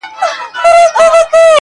ګوښه پروت وو د مېږیانو له آزاره-